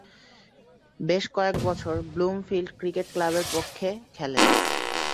বেশ কয়েকবছর Bloomfield cricket ক্লাবের পক্ষে খেলেন।